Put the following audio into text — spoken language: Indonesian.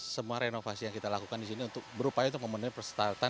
semua renovasi yang kita lakukan di sini untuk berupa itu memandai persetujuan